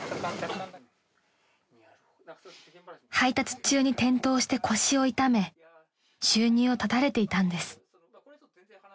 ［配達中に転倒して腰を痛め収入を断たれていたんです］